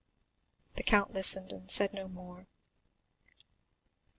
The count listened and said no more.